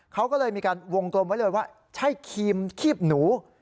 เขาก็เลยมีการวงกลมไว้เลยว่าใช่ครีมคีบหนู